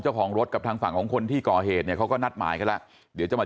เจ้าของรถกับทางฝั่งของคนที่ก่อก็เลือกแล้วเดี๋ยวจะมา